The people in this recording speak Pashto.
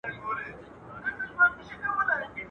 څه ژرنده پڅه وه، څه غنم لانده وه.